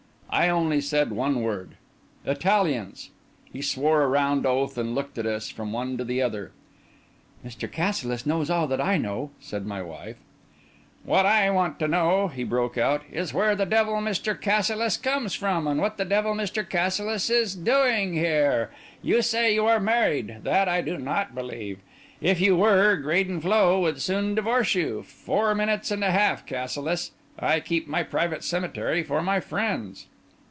I only said one word: "Italians." He swore a round oath, and looked at us, from one to the other. "Mr. Cassilis knows all that I know," said my wife. "What I want to know," he broke out, "is where the devil Mr. Cassilis comes from, and what the devil Mr. Cassilis is doing here. You say you are married; that I do not believe. If you were, Graden Floe would soon divorce you; four minutes and a half, Cassilis. I keep my private cemetery for my friends."